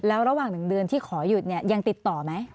แล้วระหว่าง๑เดือนที่ขอหยุดเนี่ยยังติดต่อไหม